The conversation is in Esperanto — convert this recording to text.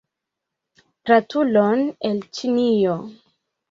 Gratulon el Ĉinio!